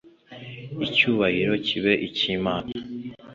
icyubahiro kibe icy imana.